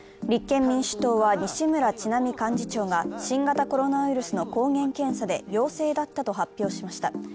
立憲民主党は西村智奈美幹事長が新型コロナウイルスの抗原検査で陽性だったと発表しました。